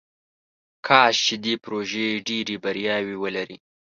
کاش چې دې پروژې ډیرې بریاوې ولري.